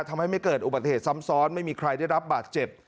ทำให้ไม่เกิดอุบัติเหตุซ้ำซ้อนไม่มีใครได้รับบาดเจ็บ